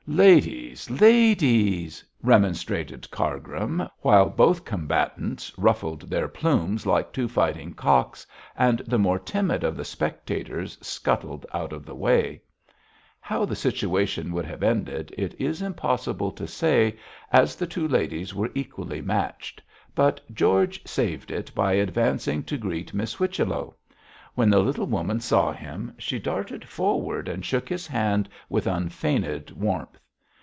'Ladies! ladies!' remonstrated Cargrim, while both combatants ruffled their plumes like two fighting cocks, and the more timid of the spectators scuttled out of the way. How the situation would have ended it is impossible to say, as the two ladies were equally matched, but George saved it by advancing to greet Miss Whichello. When the little woman saw him, she darted forward and shook his hand with unfeigned warmth.